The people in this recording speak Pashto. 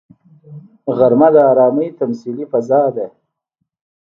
غرمه د ارامي تمثیلي فضا ده